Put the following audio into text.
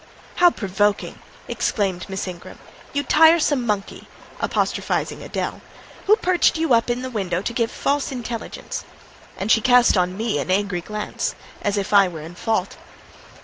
"How provoking!" exclaimed Miss Ingram: "you tiresome monkey!" (apostrophising Adèle), "who perched you up in the window to give false intelligence?" and she cast on me an angry glance, as if I were in fault.